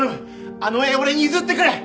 あの絵俺に譲ってくれ！